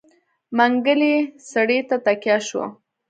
منګلی څېړۍ ته تکيه شو.